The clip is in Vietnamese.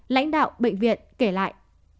lãnh đạo bệnh viện kể lại